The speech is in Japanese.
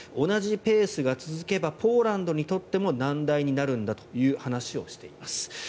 同じペースが続けばポーランドにとっても難題になるんだという話をしています。